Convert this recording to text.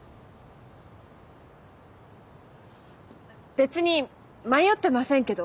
別に迷ってませんけど。